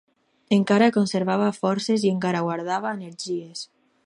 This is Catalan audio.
Encara conservava forces i encara guardava energies